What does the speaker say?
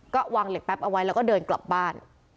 ก็วางเหล็กแป๊บเอาไว้แล้วก็เดินกลับบ้าน